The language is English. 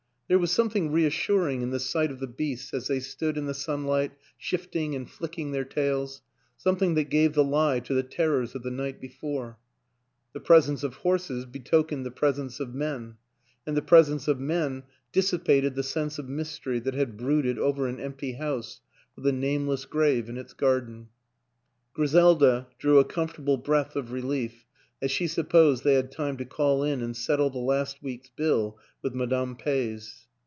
There was something reassuring in the sight of the beasts as they stood in the sunlight shifting and flicking their tails, something that gave the lie to the terrors of the night before; the presence of horses betokened the presence of men, and the presence of men dissipated the sense of mystery that hd brooded over an empty house with a nameless grave in its garden. Griselda drew a comforta ble breath of relief as she supposed they had time to call in and settle the last week's bill with Ma dame Peys.